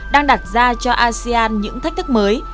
đang đặt ra cho asean những thách thức mới